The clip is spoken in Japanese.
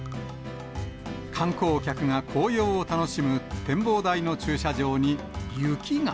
観光客が紅葉を楽しむ展望台の駐車場に雪が。